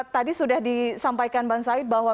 tadi sudah disampaikan bang said bahwa